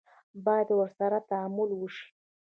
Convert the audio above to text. باید ورسره تعامل وشي.